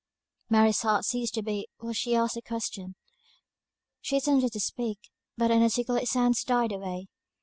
Mary's heart ceased to beat while she asked the question She attempted to speak; but the inarticulate sounds died away.